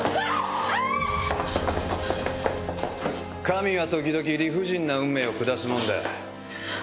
神は時々理不尽な運命を下すもんだ。